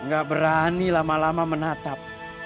gak berani lama lama menatap